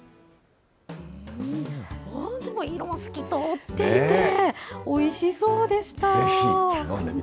本当もう色が透き通っていて、おいしそうでした。